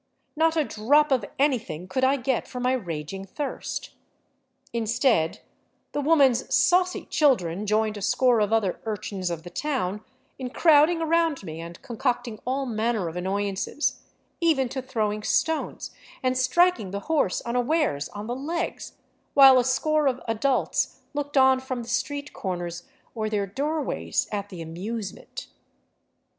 Not a drop of any thing could I get for my raging thirst. Instead, the woman's saucy children joined a score of other urchins of the town in crowding around me and concocting all manner of annoyances, even to throwing stones and striking the horse unawares on the legs, while a score of adults looked on from the street corners or their doorways at the " amuse ment.''